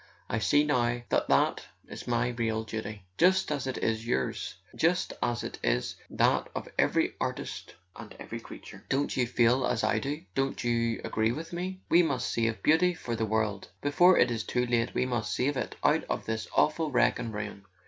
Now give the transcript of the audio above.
I see now that that is my real duty—just as it is yours, just as it is that of every artist and every creator. Don't you feel as I do ? Don't you agree with me? We must save Beauty for the world; before it is too late we must save it out of this awful wreck and ruin.